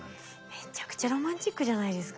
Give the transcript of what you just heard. めちゃくちゃロマンチックじゃないですか。